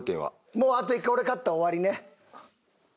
もうあと１回俺勝ったら終わりね。